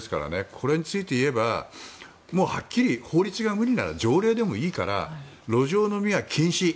これについていえばはっきり、法律が無理なら条例でもいいから路上飲みは禁止。